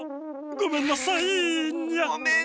ごめんなさい！